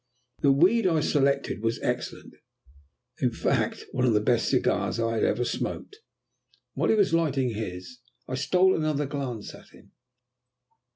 The weed I selected was excellent, in fact one of the best cigars I had ever smoked. While he was lighting his I stole another glance at him.